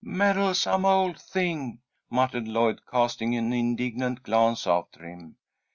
"Meddlesome old thing!" muttered Lloyd, casting an indignant glance after him.